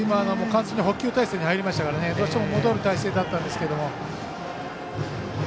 完全に捕球体制に入りましたから、どうしても戻る体勢だったんですけど。